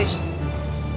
kenapa kamu bete begitu